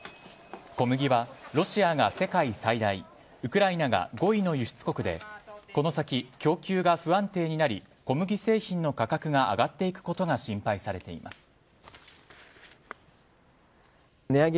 小麦はロシアが世界最大ウクライナが５位の輸出国でこの先、供給が不安定になり小麦製品の価格が上がっていくことが心配されています。